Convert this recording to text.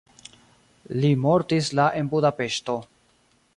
Li mortis la en Budapeŝto.